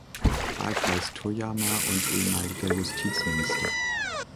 Wahlkreis Toyama und ehemaliger Justizminister.